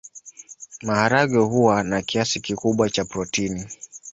Maharagwe huwa na kiasi kikubwa cha protini.